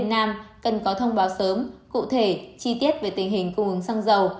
nam cần có thông báo sớm cụ thể chi tiết về tình hình cung ứng xăng dầu